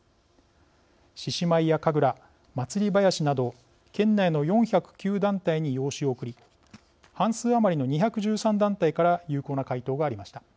獅子舞や神楽祭り囃子など県内の４０９団体に用紙を送り半数余りの２１３団体から有効な回答がありました。